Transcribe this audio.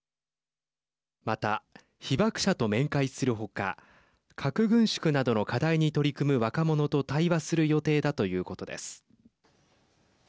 また、被爆者と面会する他核軍縮などの課題に取り組む若者と対話する予定だということです。